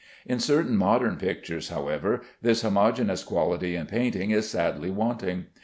In certain modern pictures, however, this homogeneous quality in painting is sadly wanting.